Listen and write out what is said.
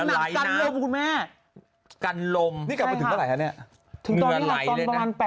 หลายกางเกงด่านเหงือไหลน้ำ